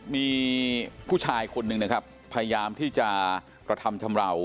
มีผู้ชายคนหนึ่งนะครับพยายามที่จะกระทำชำราว